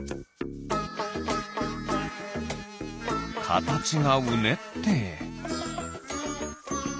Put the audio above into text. かたちがうねって。